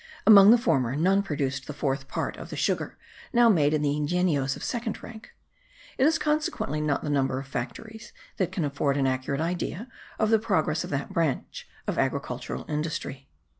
Among the former, none produced the fourth part of the sugar now made in the yngenios of second rank; it is consequently not the number of factories that can afford an accurate idea of the progress of that branch of agricultural industry.